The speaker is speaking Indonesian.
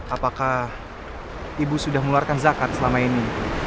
apakah ibu sudah mengeluarkan zakat selama ini